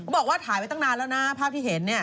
บอกว่าถ่ายไว้ตั้งนานแล้วนะภาพที่เห็น